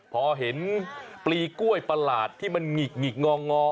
พอเห็นปลีกล้วยประหลาดที่มันหงิกงอ